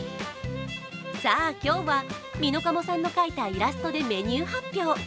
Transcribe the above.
さあ、今日はｍｉｎｏｋａｍｏさんの描いたイラストでメニュー発表。